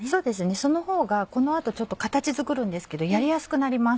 そのほうがこの後形作るんですけどやりやすくなります。